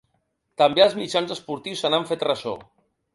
També els mitjans esportius se n’han fet ressò.